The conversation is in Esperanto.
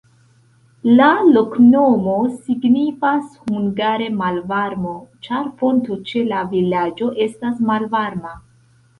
La loknomo signifas hungare malvarmo, ĉar fonto ĉe la vilaĝo estas malvarma.